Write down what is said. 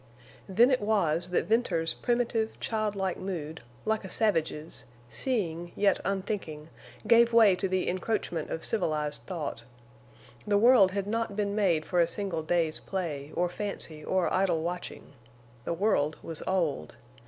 Then it was that Venters's primitive, childlike mood, like a savage's, seeing, yet unthinking, gave way to the encroachment of civilized thought. The world had not been made for a single day's play or fancy or idle watching. The world was old.